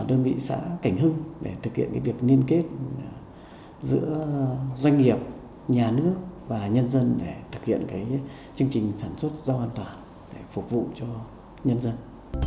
đơn vị xã cảnh hưng để thực hiện việc liên kết giữa doanh nghiệp nhà nước và nhân dân để thực hiện chương trình sản xuất rau an toàn để phục vụ cho nhân dân